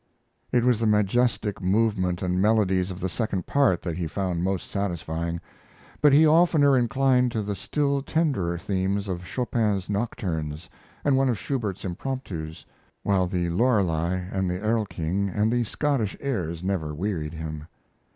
It was the majestic movement and melodies of the second part that he found most satisfying; but he oftener inclined to the still tenderer themes of Chopin's nocturnes and one of Schubert's impromptus, while the "Lorelei" and the "Erlking" and the Scottish airs never wearied him.